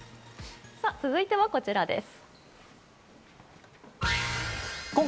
続いてはこちらです。